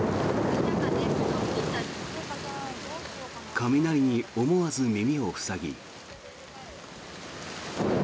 雷に思わず耳を塞ぎ。